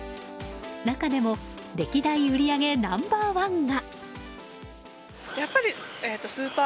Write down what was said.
中でも歴代売り上げナンバー１が。